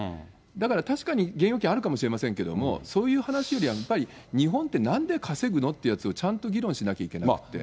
だから確かに現預金あるかもしれませんけども、そういう話よりは、やっぱり日本ってなんで稼ぐのっていうやつを、ちゃんと議論しなきゃいけなくて。